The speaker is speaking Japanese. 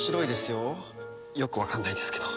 よくわからないですけど。